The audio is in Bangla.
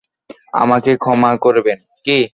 আমাকে ক্ষমা করবেন?